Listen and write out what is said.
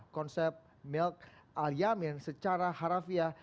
konsep melk al yamin secara harafiah